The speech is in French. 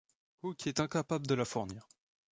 Hooke est incapable de la fournir.